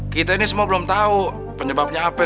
kita ini semua belum tahu penyebabnya apa